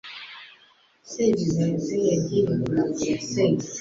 Mfite amacumu mu milindi y'abato, Nkubita ingamba zikerekerana.